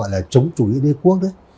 là chống chủ nghĩa đế quốc đấy